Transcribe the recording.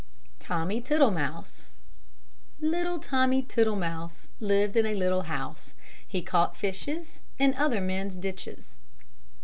TOMMY TITTLEMOUSE Little Tommy Tittlemouse Lived in a little house; He caught fishes In other men's ditches.